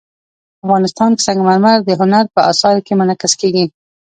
افغانستان کې سنگ مرمر د هنر په اثار کې منعکس کېږي.